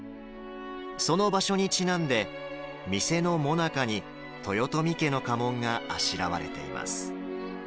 その場所にちなんで店の、もなかに豊臣家の家紋があしらわれています。